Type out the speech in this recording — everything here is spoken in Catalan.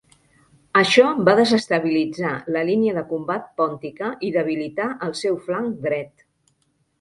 Això va desestabilitzar la línia de combat pòntica i debilitar el seu flanc dret.